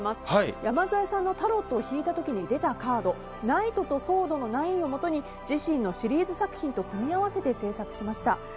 山添さんのタロットを引いた時に出たカードナイトとソードをもとに自身のシリーズ作品と組み合わせて制作しました。